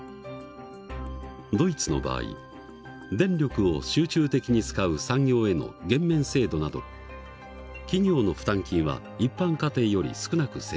ドイツの場合電力を集中的に使う産業への減免制度など企業の負担金は一般家庭より少なく設定されている。